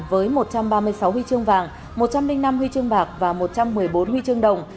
với một trăm ba mươi sáu huy chương vàng một trăm linh năm huy chương bạc và một trăm một mươi bốn huy chương đồng